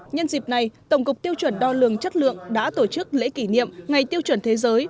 nhân dịp này tổng cục tiêu chuẩn đo lường chất lượng đã tổ chức lễ kỷ niệm ngày tiêu chuẩn thế giới